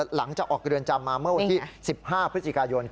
หลังจากออกเรือนจำมาเมื่อวันที่๑๕พฤศจิกายน